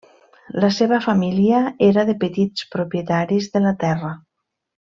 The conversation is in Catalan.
La seva família era de petits propietaris de la terra.